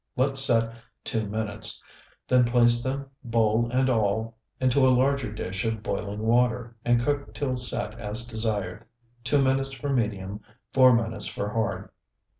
Let set two minutes, then place them, bowl and all, into a larger dish of boiling water, and cook till set as desired, two minutes for medium, four minutes for hard.